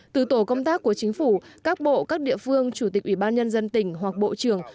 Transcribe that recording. từ tổ công tác của chính phủ các bộ các địa phương chủ tịch ủy ban nhân dân tỉnh hoặc bộ trưởng